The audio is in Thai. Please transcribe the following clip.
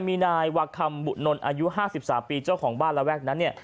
มีนายวาคัมบุนนท์อายุ๕๓ปีเจ้าของบ้านระแวกนั้นเนี่ย